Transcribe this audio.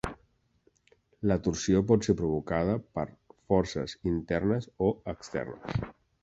La torsió pot ser provocada per forces internes o externes.